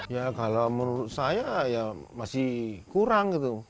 ya kalau menurut saya ya masih kurang gitu